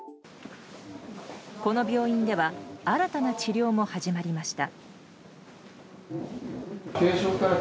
この病院では新たな治療も始まりました。